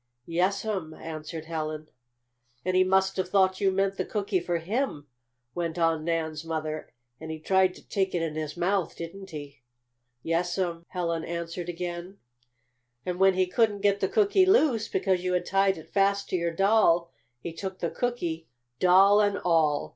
"Yes'm," answered Helen. "And he must have thought you meant the cookie for him," went on Nan's mother. "And he tried to take it in his mouth; didn't he?" "Yes'm," Helen answered again. "And when he couldn't get the cookie loose, because you had it tied fast to your doll, he took the cookie, doll and all.